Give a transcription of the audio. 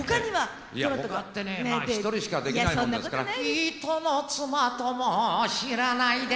「ひとの妻とも知らないで」